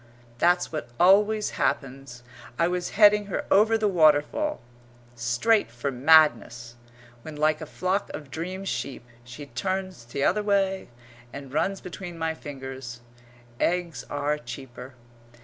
That's what always happens! I was heading her over the waterfall, straight for madness, when, like a flock of dream sheep, she turns t'other way and runs between my fingers. Eggs are cheaper.